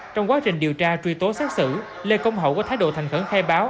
trong quá trình điều tra truy tố xác xử lê công hậu có thái độ thành khẩn khai báo